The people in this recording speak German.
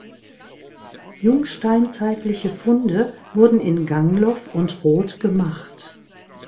Jungsteinzeitliche Funde wurden in Gangloff und Roth gemacht.